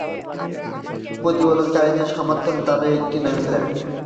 প্রতিবাদকারীদের সমর্থনে তারা এটা নামিয়েছে।